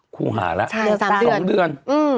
คู่หาละ๒เดือน